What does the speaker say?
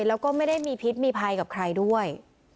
แล้วก็ไม่ได้มีพิษมีภัยกับใครด้วย